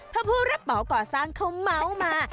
พระผู้ระเป๋าก่อสร้างเขาเม้ามา